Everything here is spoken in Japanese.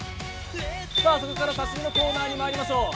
さあそこから刺身のコーナーにまいりましょう。